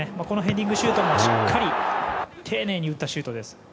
このヘディングシュートもしっかり丁寧に打ったシュートです。